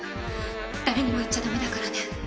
誰にも言っちゃ駄目だからね。